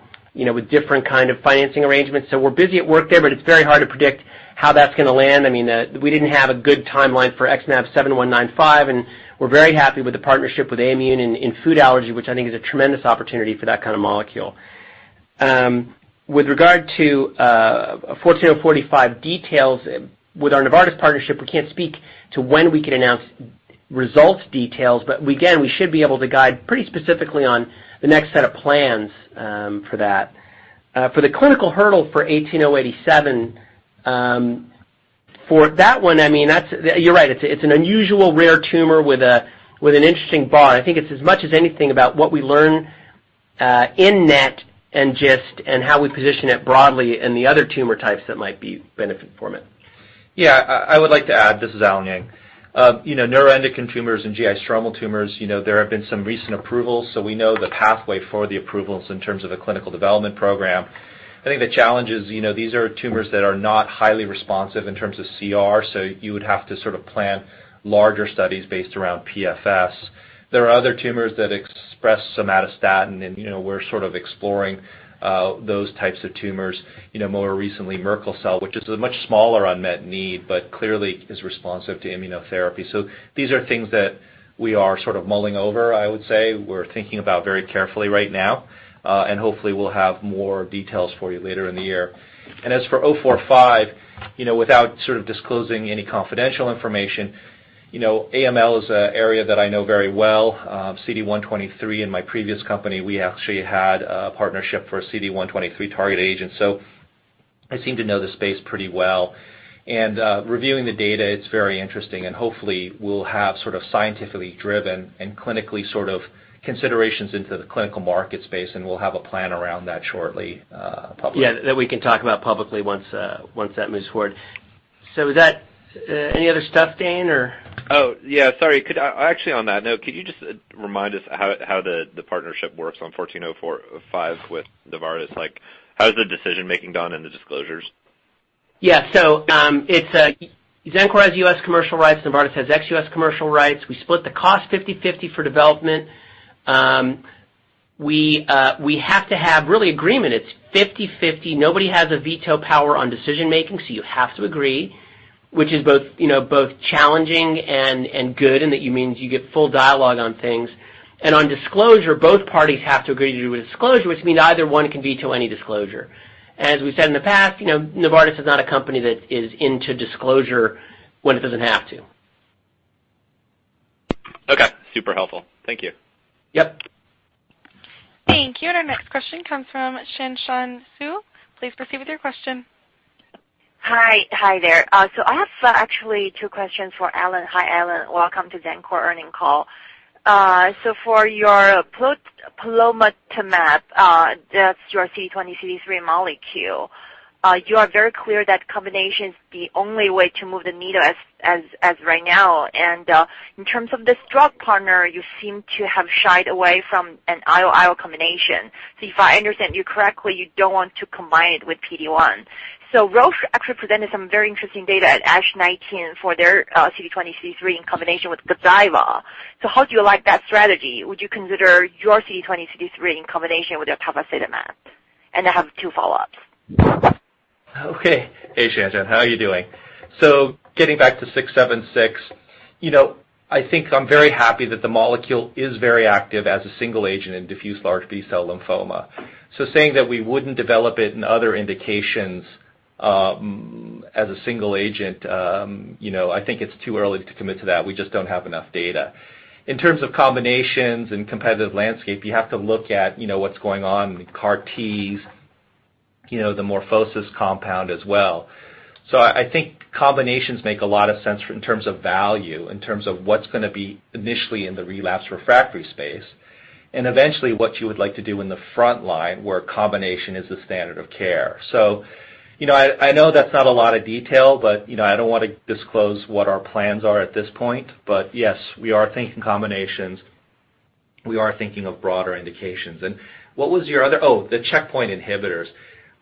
with different kind of financing arrangements. We're busy at work there, but it's very hard to predict how that's going to land. We didn't have a good timeline for XmAb7195, and we're very happy with the partnership with Aimmune in food allergy, which I think is a tremendous opportunity for that kind of molecule. With regard to XmAb14045 details, with our Novartis partnership, we can't speak to when we can announce results details. Again, we should be able to guide pretty specifically on the next set of plans for that. For the clinical hurdle for XmAb18087, for that one, you're right, it's an unusual rare tumor with an interesting bar. I think it's as much as anything about what we learn in NET and GIST and how we position it broadly in the other tumor types that might be benefiting from it. Yeah, I would like to add, this is Allen Yang. neuroendocrine tumors and GI stromal tumors, there have been some recent approvals. We know the pathway for the approvals in terms of the clinical development program. I think the challenge is these are tumors that are not highly responsive in terms of CR. You would have to sort of plan larger studies based around PFS. There are other tumors that express somatostatin. We're sort of exploring those types of tumors. More recently, Merkel cell, which is a much smaller unmet need. Clearly is responsive to immunotherapy. These are things that we are sort of mulling over, I would say, we're thinking about very carefully right now. Hopefully we'll have more details for you later in the year. As for XmAb14045, without disclosing any confidential information, AML is an area that I know very well. CD123 in my previous company, we actually had a partnership for CD123 target agents, so I seem to know the space pretty well. Reviewing the data, it's very interesting, and hopefully we'll have scientifically driven and clinically sort of considerations into the clinical market space, and we'll have a plan around that shortly publicly. Yeah, that we can talk about publicly once that moves forward. Any other stuff, Dane, or? Oh, yeah, sorry. Actually, on that note, could you just remind us how the partnership works on XmAb14045 with Novartis? How is the decision-making done and the disclosures? Yeah. Xencor has U.S. commercial rights, Novartis has ex-U.S. commercial rights. We split the cost 50/50 for development. We have to have real agreement. It's 50/50. Nobody has a veto power on decision-making, so you have to agree, which is both challenging and good, and that means you get full dialogue on things. On disclosure, both parties have to agree to do a disclosure, which means neither one can veto any disclosure. As we've said in the past, Novartis is not a company that is into disclosure when it doesn't have to. Okay. Super helpful. Thank you. Yep. Thank you. Our next question comes from Shanshan Xu. Please proceed with your question. I have actually two questions for Allen. Hi, Allen. Welcome to Xencor earnings call. For your plamotamab, that's your CD20 x CD3 molecule. You are very clear that combination's the only way to move the needle as right now. In terms of this drug partner, you seem to have shied away from an IL/IL combination. If I understand you correctly, you don't want to combine it with PD-1. Roche actually presented some very interesting data at ASH 2019 for their CD20 x CD3 in combination with Gazyva. How do you like that strategy? Would you consider your CD20 x CD3 in combination with obinutuzumab? I have two follow-ups. Okay. Hey, Shanshan. How are you doing? Getting back to 676, I think I'm very happy that the molecule is very active as a single agent in diffuse large B-cell lymphoma. Saying that we wouldn't develop it in other indications as a single agent, I think it's too early to commit to that. We just don't have enough data. In terms of combinations and competitive landscape, you have to look at what's going on with CAR T, the MorphoSys compound as well. I think combinations make a lot of sense in terms of value, in terms of what's going to be initially in the relapse refractory space, and eventually what you would like to do in the front line where combination is the standard of care. I know that's not a lot of detail, but I don't want to disclose what our plans are at this point. Yes, we are thinking combinations. We are thinking of broader indications. What was your other? Oh, the checkpoint inhibitors.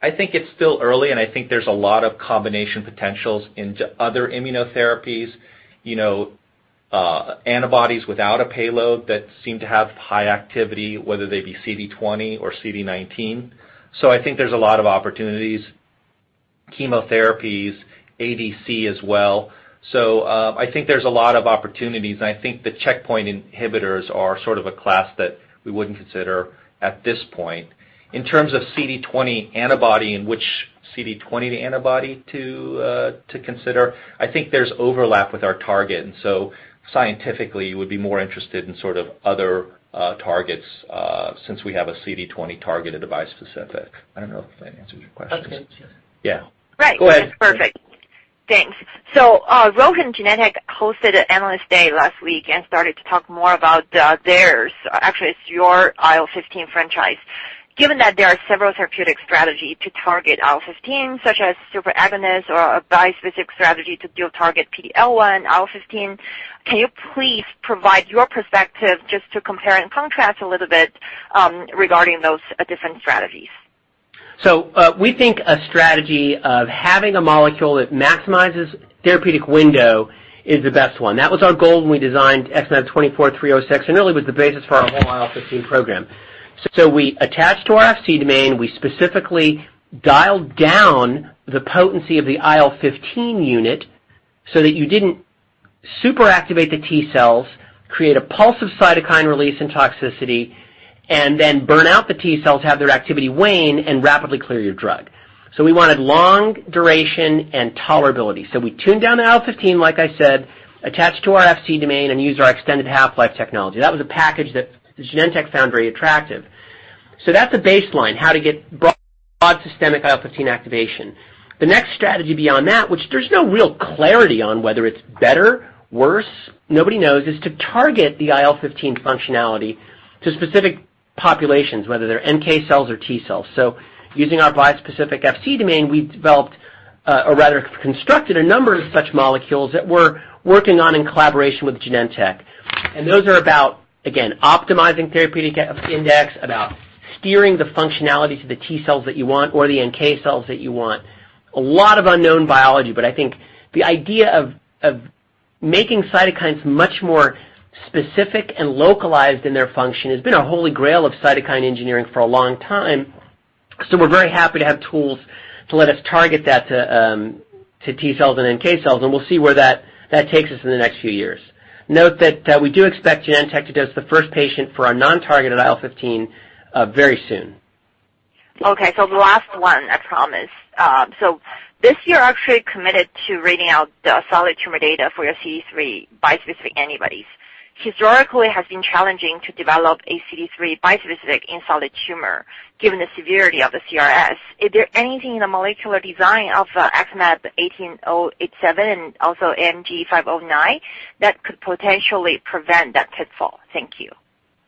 I think it's still early, and I think there's a lot of combination potentials into other immunotherapies, antibodies without a payload that seem to have high activity, whether they be CD20 or CD19. I think there's a lot of opportunities, chemotherapies, ADC as well. I think there's a lot of opportunities, and I think the checkpoint inhibitors are sort of a class that we wouldn't consider at this point. In terms of CD20 antibody and which CD20 antibody to consider, I think there's overlap with our target, and so scientifically, we would be more interested in sort of other targets since we have a CD20 targeted bispecific. I don't know if that answers your question. That's good. Yeah. Go ahead. Right. That's perfect. Thanks. Roche and Genentech hosted an analyst day last week and started to talk more about theirs. Actually, it's your IL-15 franchise. Given that there are several therapeutic strategy to target IL-15, such as superagonist or a bispecific strategy to dual target PD-L1, IL-15, can you please provide your perspective just to compare and contrast a little bit regarding those different strategies? We think a strategy of having a molecule that maximizes therapeutic window is the best one. That was our goal when we designed XmAb24306, and really was the basis for our whole IL-15 program. We attached to our Fc domain, we specifically dialed down the potency of the IL-15 unit so that you didn't super activate the T-cells, create a pulse of cytokine release and toxicity, and then burn out the T-cells, have their activity wane, and rapidly clear your drug. We wanted long duration and tolerability. We tuned down the IL-15, like I said, attached to our Fc domain, and used our extended half-life technology. That was a package that Genentech found very attractive. That's a baseline, how to get broad systemic IL-15 activation. The next strategy beyond that, which there's no real clarity on whether it's better, worse, nobody knows, is to target the IL-15 functionality to specific populations, whether they're NK cells or T-cells. Using our bispecific Fc domain, we've developed, or rather constructed a number of such molecules that we're working on in collaboration with Genentech. Those are about, again, optimizing therapeutic index, about steering the functionality to the T-cells that you want or the NK cells that you want. A lot of unknown biology, but I think the idea of making cytokines much more specific and localized in their function has been a holy grail of cytokine engineering for a long time. We're very happy to have tools to let us target that to T-cells and NK cells, and we'll see where that takes us in the next few years. Note that we do expect Genentech to dose the first patient for our non-targeted IL-15 very soon. Okay. The last one, I promise. This year, actually committed to reading out the solid tumor data for your CD3 bispecific antibodies. Historically, it has been challenging to develop a CD3 bispecific in solid tumor, given the severity of the CRS. Is there anything in the molecular design of the XmAb18087 and also AMG 509 that could potentially prevent that pitfall? Thank you.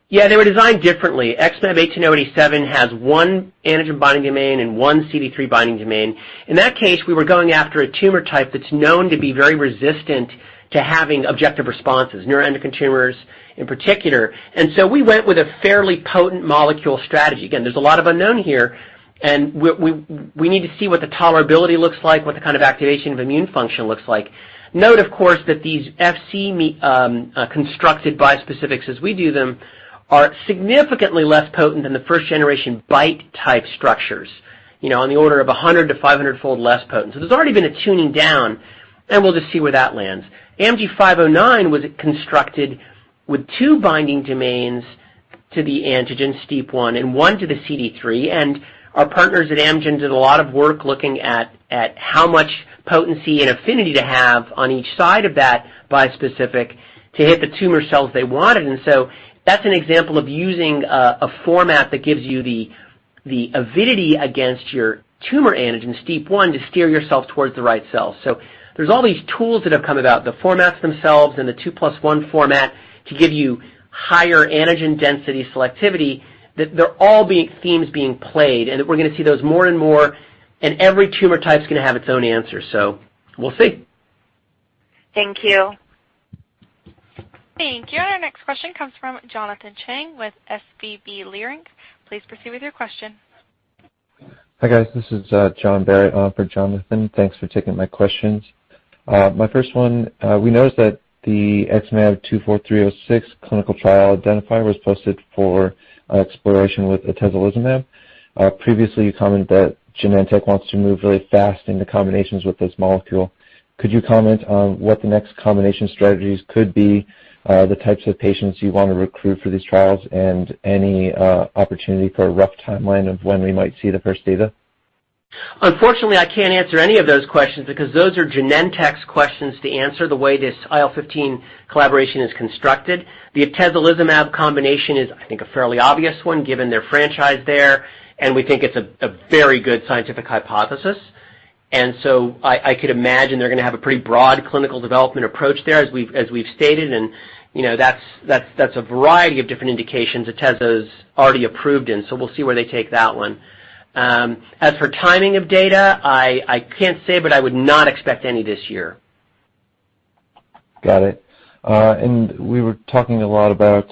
Yeah, they were designed differently. XmAb18087 has one antigen binding domain and one CD3 binding domain. In that case, we were going after a tumor type that's known to be very resistant to having objective responses, neuroendocrine tumors in particular. We went with a fairly potent molecule strategy. Again, there's a lot of unknown here. We need to see what the tolerability looks like, what the kind of activation of immune function looks like. Note, of course, that these Fc constructed bispecifics as we do them, are significantly less potent than the first-generation BiTE-type structures. In the order of 100-500 fold less potent. There's already been a tuning down. We'll just see where that lands. AMG 509 was constructed with two binding domains to the antigen STEAP1 and one to the CD3. Our partners at Amgen did a lot of work looking at how much potency and affinity to have on each side of that bispecific to hit the tumor cells they wanted. That's an example of using a format that gives you the avidity against your tumor antigen, STEAP1, to steer yourself towards the righT-cell. There's all these tools that have come about, the formats themselves and the 2+1 format to give you higher antigen density selectivity, that they're all themes being played. We're going to see those more and more, and every tumor type is going to have its own answer. We'll see. Thank you. Thank you. Our next question comes from Jonathan Chang with SVB Leerink. Please proceed with your question. Hi, guys. This is John Barrett on for Jonathan. Thanks for taking my questions. My first one, we noticed that the XmAb24306 clinical trial identifier was posted for exploration with atezolizumab. Previously, you commented that Genentech wants to move really fast into combinations with this molecule. Could you comment on what the next combination strategies could be, the types of patients you want to recruit for these trials, and any opportunity for a rough timeline of when we might see the first data? Unfortunately, I can't answer any of those questions because those are Genentech's questions to answer the way this IL-15 collaboration is constructed. The atezolizumab combination is, I think, a fairly obvious one given their franchise there. We think it's a very good scientific hypothesis. I could imagine they're going to have a pretty broad clinical development approach there, as we've stated, and that's a variety of different indications atezo's already approved in. We'll see where they take that one. As for timing of data, I can't say, but I would not expect any this year. Got it. We were talking a lot about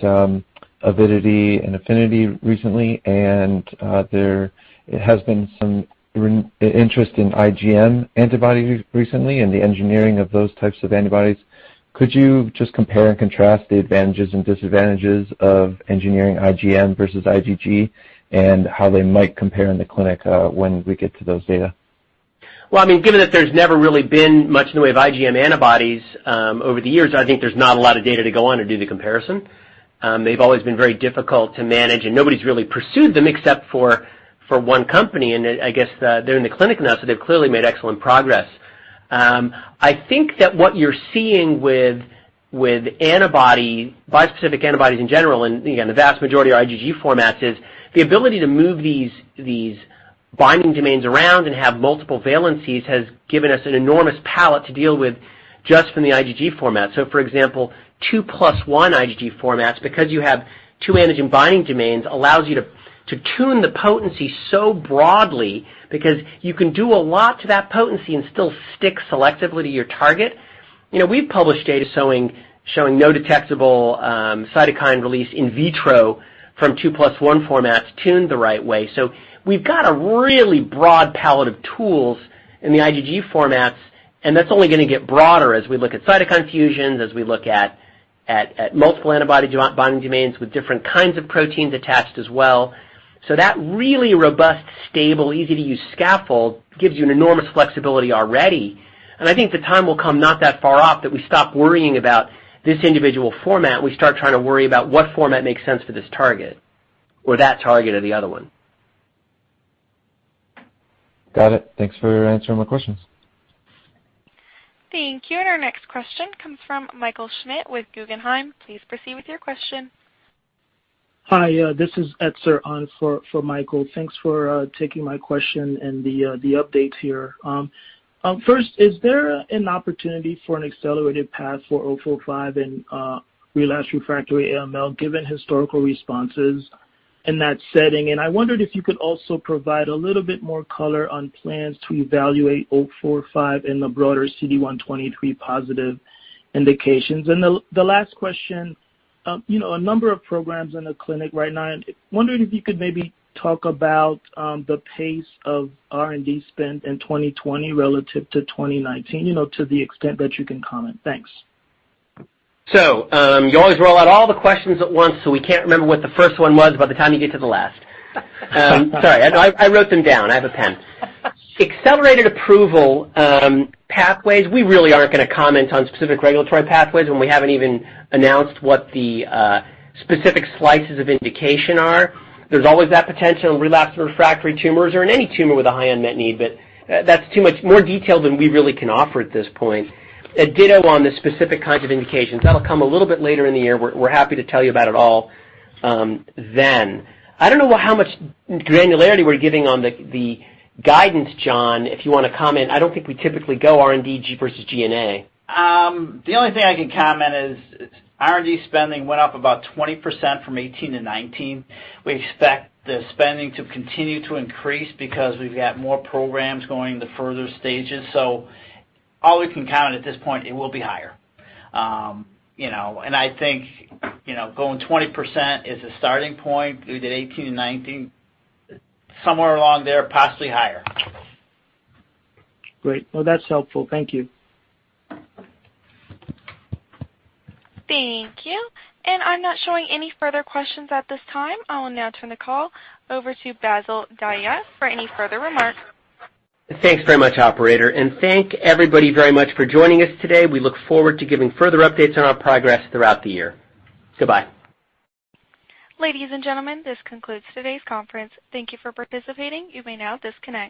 avidity and affinity recently, and there has been some interest in IgM antibodies recently and the engineering of those types of antibodies. Could you just compare and contrast the advantages and disadvantages of engineering IgM versus IgG and how they might compare in the clinic when we get to those data? Well, given that there is never really been much in the way of IgM antibodies over the years, I think there is not a lot of data to go on or do the comparison. They have always been very difficult to manage, and nobody has really pursued them except for one company. I guess they are in the clinic now, so they have clearly made excellent progress. I think that what you are seeing with bispecific antibodies in general, and again, the vast majority are IgG formats, is the ability to move these binding domains around and have multiple valencies has given us an enormous palette to deal with just from the IgG format. For example, 2+1 IgG formats, because you have two antigen binding domains, allows you to tune the potency so broadly because you can do a lot to that potency and still stick selectively to your target. We've published data showing no detectable cytokine release in vitro from 2+1 formats tuned the right way. We've got a really broad palette of tools in the IgG formats, and that's only going to get broader as we look at cytokine fusions, as we look at multiple antibody binding domains with different kinds of proteins attached as well. That really robust, stable, easy-to-use scaffold gives you an enormous flexibility already. I think the time will come not that far off that we stop worrying about this individual format, we start trying to worry about what format makes sense for this target, or that target or the other one. Got it. Thanks for answering my questions. Thank you. Our next question comes from Michael Schmidt with Guggenheim. Please proceed with your question. Hi, this is Etzer on for Michael. Thanks for taking my question and the updates here. First, is there an opportunity for an accelerated path for XmAb14045 in relapsed refractory AML, given historical responses in that setting? I wondered if you could also provide a little bit more color on plans to evaluate XmAb14045 in the broader CD123 positive indications. The last question, a number of programs in the clinic right now, I'm wondering if you could maybe talk about the pace of R&D spend in 2020 relative to 2019, to the extent that you can comment. Thanks. You always roll out all the questions at once, so we can't remember what the first one was by the time you get to the last. Sorry, I wrote them down. I have a pen. Accelerated approval pathways, we really aren't going to comment on specific regulatory pathways when we haven't even announced what the specific slices of indication are. There's always that potential in relapsed refractory tumors or in any tumor with a high unmet need, but that's too much more detail than we really can offer at this point. Ditto on the specific kinds of indications. That'll come a little bit later in the year. We're happy to tell you about it all then. I don't know how much granularity we're giving on the guidance, John, if you want to comment. I don't think we typically go R&D versus G&A. The only thing I can comment is R&D spending went up about 20% from 2018 to 2019. We expect the spending to continue to increase because we've got more programs going to further stages. All we can count at this point, it will be higher. I think going 20% is a starting point. We did 2018 and 2019, somewhere along there, possibly higher. Great. Well, that's helpful. Thank you. Thank you. I'm not showing any further questions at this time. I will now turn the call over to Bassil Dahiyat for any further remarks. Thanks very much, operator. Thank everybody very much for joining us today. We look forward to giving further updates on our progress throughout the year. Goodbye. Ladies and gentlemen, this concludes today's conference. Thank you for participating. You may now disconnect.